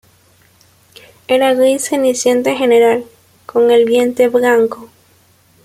Era gris ceniciento en general, con el vientre blanco.